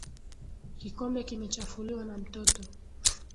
Kikombe kimechafuliwa na mtoto.